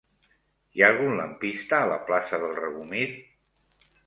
Hi ha algun lampista a la plaça del Regomir?